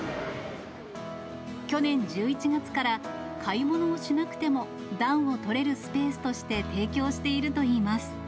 去年１１月から、買い物をしなくても暖をとれるスペースとして提供しているといいます。